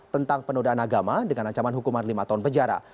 tentang penodaan agama dengan ancaman hukuman lima tahun penjara